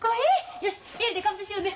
よしビールで乾杯しようね。